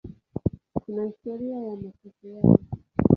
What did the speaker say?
Kuna historia ya mateso yao.